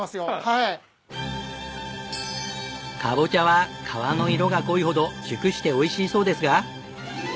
カボチャは皮の色が濃いほど熟しておいしいそうですが。